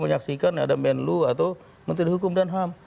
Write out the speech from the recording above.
menyaksikan ada menlu atau menteri hukum dan ham